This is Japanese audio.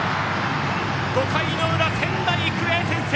５回の裏、仙台育英が先制！